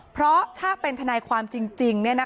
เพราะถ้าเป็นทนายความจริง